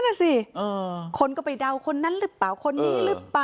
นั่นน่ะสิคนก็ไปเดาคนนั้นหรือเปล่าคนนี้หรือเปล่า